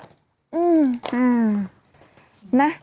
อืมนะ